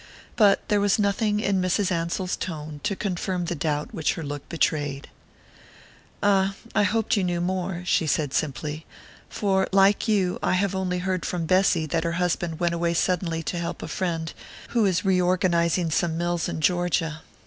But there was nothing in Mrs. Ansell's tone to confirm the doubt which her look betrayed. "Ah I hoped you knew more," she said simply; "for, like you, I have only heard from Bessy that her husband went away suddenly to help a friend who is reorganizing some mills in Georgia.